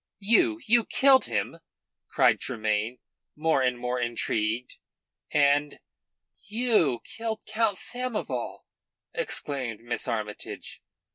"You? You killed him!" cried Tremayne, more and more intrigued. And "You killed Count Samoval?" exclaimed Miss Armytage.